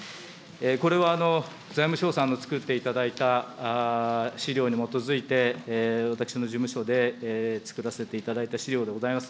これは財務省さんの作っていただいた資料に基づいて、私の事務所で作らせていただいた資料でございます。